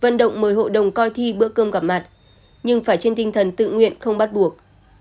vận động mời hội đồng coi thi bữa cơm gặp mặt nhưng phải trên tinh thần tự nguyện không bắt buộc